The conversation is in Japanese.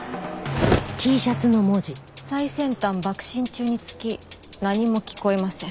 「最先端爆進中につき何も聞こえません」